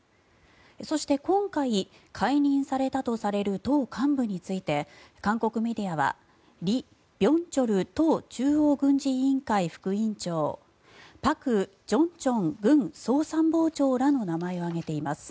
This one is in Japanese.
そして今回、解任されたとされる党幹部について韓国メディアはリ・ビョンチョル党中央軍事委員会副委員長パク・ジョンチョン軍総参謀長らの名前を挙げています。